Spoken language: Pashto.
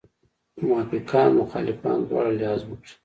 موافقان مخالفان دواړه لحاظ وکړي.